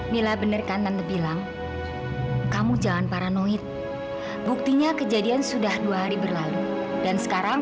mila bener kanan dibilang kamu jangan paranoid buktinya kejadian sudah dua hari berlalu dan sekarang